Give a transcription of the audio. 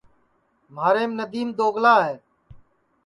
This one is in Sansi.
مھاریم ندیم دوگلا ہے